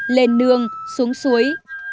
lên nương xuống suối